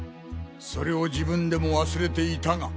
それを自分でも忘れていたが。